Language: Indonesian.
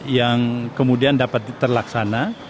yang kemudian dapat diterlaksana